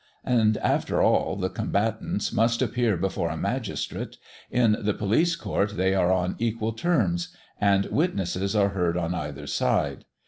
And after all, the combatants must appear before a magistrate; in the police court they are on equal terms, and witnesses are heard on either side.